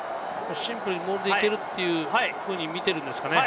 シンプルにモールでいけるっていうふうに見ているんですかね。